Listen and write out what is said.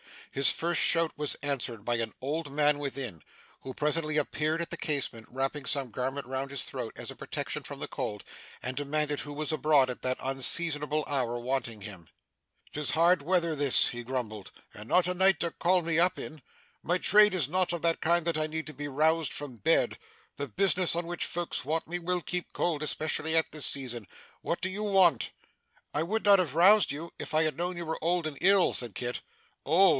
His first shout was answered by an old man within, who presently appeared at the casement, wrapping some garment round his throat as a protection from the cold, and demanded who was abroad at that unseasonable hour, wanting him. ''Tis hard weather this,' he grumbled, 'and not a night to call me up in. My trade is not of that kind that I need be roused from bed. The business on which folks want me, will keep cold, especially at this season. What do you want?' 'I would not have roused you, if I had known you were old and ill,' said Kit. 'Old!